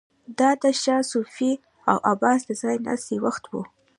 دا د شاه صفوي او عباس د ځای ناستي وخت و.